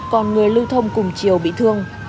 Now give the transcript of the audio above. còn người lưu thông cùng chiều bị thương